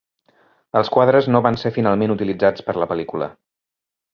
Els quadres no van ser finalment utilitzats per a la pel·lícula.